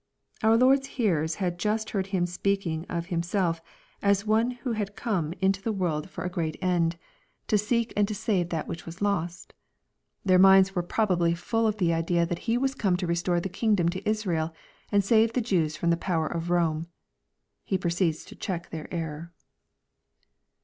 ] Our Lord's hearers had just beard FQm speaking of Hi ma 3lf as one who had come into the LUKE, CHAP. XIX. 303 world for a great end, to seek and to save that which was lost Their minds were probably full of the idea that He was come to restore the kingdom to Israel, and savo the Jews from the power of Eome. He proceeds to check tlieir error.